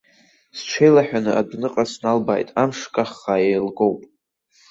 Сҽеилаҳәаны адәныҟа сналбааит, амш каххаа еилгоуп.